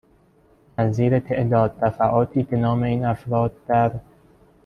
نظیر تعداد دفعاتی که نام این افراد در